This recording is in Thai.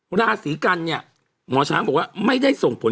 ราศีกันเนี่ยหมอช้างบอกว่าไม่ได้ส่งผล